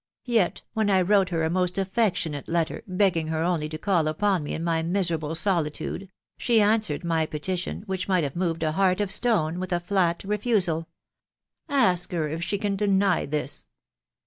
. yet, when I wrote her a most affectionate letter,, begging her only to call upon me in my miserable solitude, she an swered my petition, which might have moved a heart of stone, with a flat refusal. •.. Ask her if she can deny this?